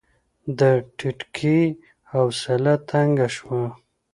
د ټيټکي حوصله تنګه شوه.